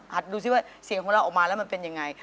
ดูสิว่าเสียงของเราออกมาแล้วมันเป็นยังไง